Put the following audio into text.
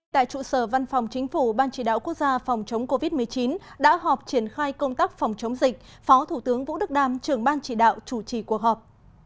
tại trụ sở văn phòng chính phủ ban chỉ đạo quốc gia phòng chống covid một mươi chín đã họp triển khai công tác phòng chống dịch phó thủ tướng vũ đức đam trưởng ban chỉ đạo chủ trì cuộc họp